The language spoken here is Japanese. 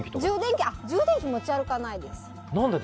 充電器は持ち歩かないです。